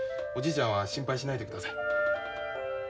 おじいちゃんは心配しないでください。